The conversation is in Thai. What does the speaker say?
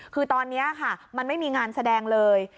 คือตอนนี้ค่ะมันไม่มีงานแสดงเลย